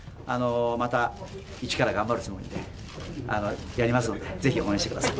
また、一から頑張るつもりでやりますので、ぜひ応援してください。